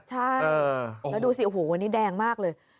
ใช่แล้วดูสิโอ้โหวันนี้แดงมากเลย